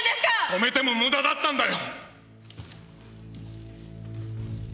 止めても無駄だったんだよ！